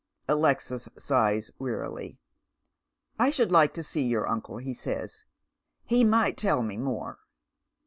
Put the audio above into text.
Alexis sighs wearily. " I should like to see your uncle," he says, "Tie might tell me more."